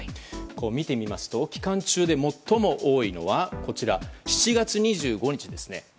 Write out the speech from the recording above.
見てみますと期間中で最も多いのは７月２５日ですね。